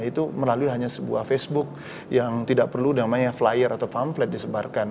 itu melalui hanya sebuah facebook yang tidak perlu namanya flyer atau pamflet disebarkan